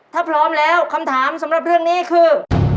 ถ้าพร้อมแล้วคำถามสำหรับเรื่องนี้คือ